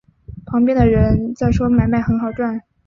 旁边的人在说买卖很好赚